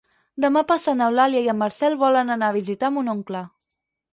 Demà passat n'Eulàlia i en Marcel volen anar a visitar mon oncle.